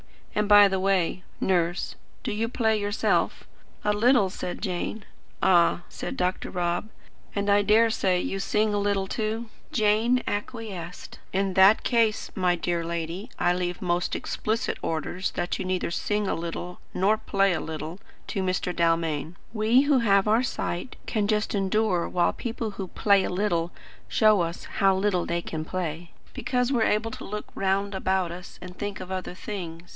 And, by the way, Nurse, do you play yourself?" "A little," said Jane. "Ah," said Dr. Rob. "And I dare say you sing a little, too?" Jane acquiesced. "In that case, my dear lady, I leave most explicit orders that you neither sing a little nor play a little to Mr. Dalmain. We, who have our sight, can just endure while people who 'play a little' show us how little they can play; because we are able to look round about us and think of other things.